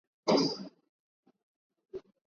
The show's on-air title was Fire Me Please!